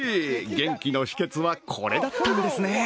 元気の秘けつはこれだったんですね。